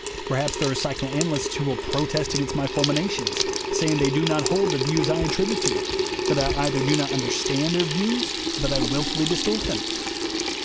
Perhaps there are psychoanalysts who will protest against my fulminations, saying they do not hold the views I attribute to them, that I either do not understand their views or that I wil fully distort them.